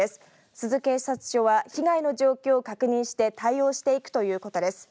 珠洲警察署は被害の状況を確認して対応していくということです。